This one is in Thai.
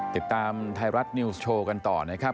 ติดตามไทยรัฐนิวส์โชว์กันต่อนะครับ